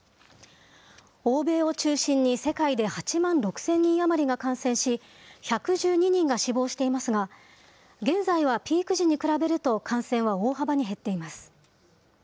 欧米を中心に世界で８万６０００人余りが感染し、１１２人が死亡していますが、現在はピーク時に比べると感染は大幅に減っています。